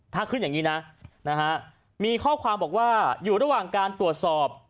ถ้าขึ้นอย่างนี้นะมีข้อความบอกว่าอยู่ระหว่างการตรวจสอบ